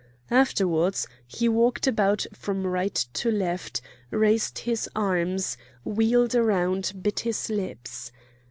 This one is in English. Afterwards he walked about from right to left, raised his arms, wheeled round, bit his lips.